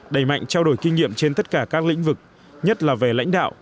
đẩy mạnh trao đổi kinh nghiệm trên tất cả các lĩnh vực nhất là về lãnh đạo